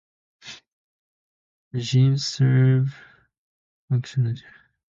Regimes serve crucial functional needs in international relations.